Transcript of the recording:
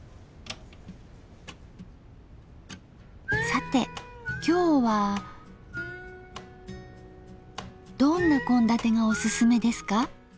さて今日はどんな献立がおすすめですか？